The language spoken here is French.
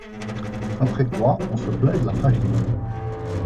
Après quoi on se plaint de la farine.